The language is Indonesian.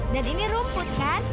dan ini rumput kan